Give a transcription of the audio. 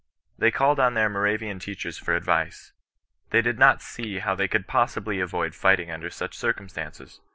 They called on their Moravian teachers for advice. They did not see how they could possibly avoid fighting under such circumstances.